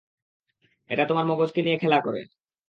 এটা তোমার মগজকে নিয়ে খেলা করে!